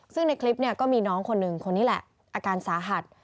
ซึ่งในคลิปเนี่ยก็มีน้องคนหนึ่งคนนี้แหละอาการสาหัส